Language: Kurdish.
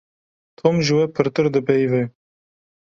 Tom ji we pirtir dipeyive.